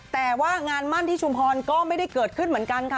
แต่ว่างานมั่นที่ชุมพรก็ไม่ได้เกิดขึ้นเหมือนกันค่ะ